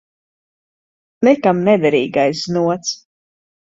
Nekam nederīgais znots.